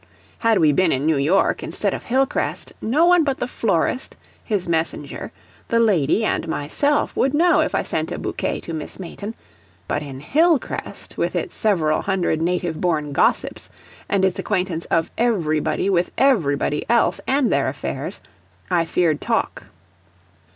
Had we been in New York instead of Hillcrest, no one but the florist, his messenger, the lady and myself would know if I sent a bouquet to Miss Mayton; but in Hillcrest, with its several hundred native born gossips and its acquaintance of everybody with everybody else and their affairs, I feared talk.